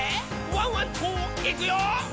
ワンワンといくよ」